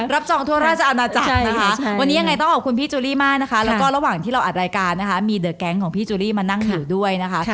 รับจองทั่วราชอาณาจักรนะคะ